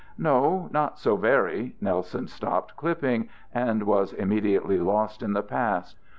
"No, not so very." Nelson stopped clipping and was immediately lost in the past.